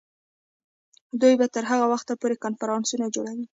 دوی به تر هغه وخته پورې کنفرانسونه جوړوي.